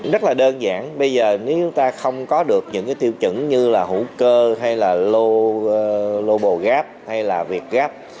rất là đơn giản bây giờ nếu chúng ta không có được những cái tiêu chuẩn như là hữu cơ hay là lô bồ gap hay là việc gap